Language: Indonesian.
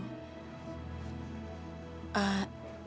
aku akan menunggu